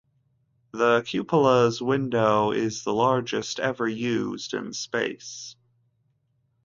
The Cupola's window is the largest ever used in space.